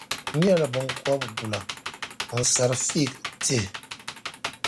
n nyɛla biŋkɔbigula ni ŋun sari fiig tihi.